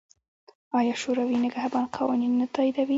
آیا شورای نګهبان قوانین نه تاییدوي؟